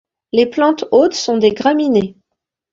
Les plantes hôtes sont des graminées.